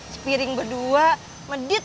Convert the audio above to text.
sepiring berdua medit